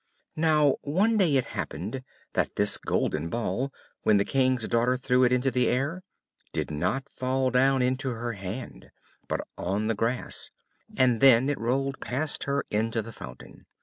Now, one day it happened, that this golden ball, when the King's daughter threw it into the air, did not fall down into her hand, but on the grass; and then it rolled past her into the fountain.